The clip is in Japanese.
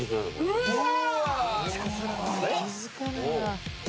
うわ！